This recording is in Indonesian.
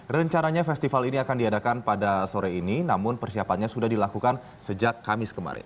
rencananya festival ini akan diadakan pada sore ini namun persiapannya sudah dilakukan sejak kamis kemarin